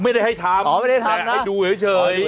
ไม่ได้ให้ทำแต่ให้ดูเฉย